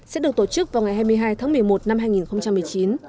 sẽ được tổ chức vào ngày hai mươi hai tháng một mươi một năm hai nghìn một mươi chín